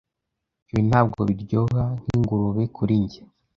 Ibi ntabwo biryoha nkingurube kuri njye.